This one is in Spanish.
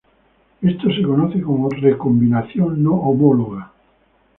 Esto se conoce como "recombinación no homóloga".